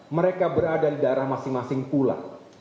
mereka berada di daerah masing masing pula